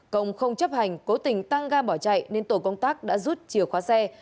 công không chấp hành cố tình tăng ga bỏ chạy nên tổ công tác đã rút chìa khóa xe